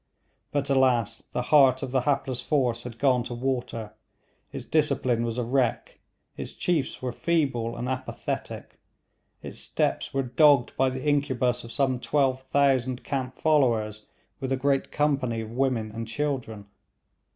But alas, the heart of the hapless force had gone to water, its discipline was a wreck, its chiefs were feeble and apathetic; its steps were dogged by the incubus of some 12,000 camp followers, with a great company of women and children.